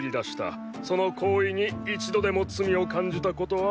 その行為に一度でも罪を感じたことは？